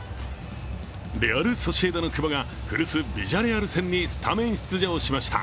レアル・ソシエダの久保が古巣・ビジャレアル戦にスタメン出場しました。